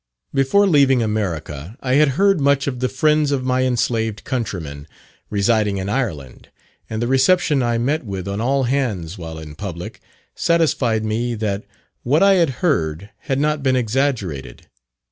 Before leaving America I had heard much of the friends of my enslaved countrymen residing in Ireland; and the reception I met with on all hands while in public, satisfied me that what I had heard had not been exaggerated.